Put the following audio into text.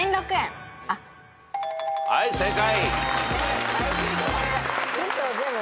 はい正解。